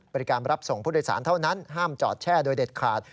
รับส่งผู้โดยสารเท่านั้นห้ามจอดแช่โดยเด็ดขาด